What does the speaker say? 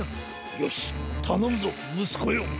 よしたのむぞむすこよ！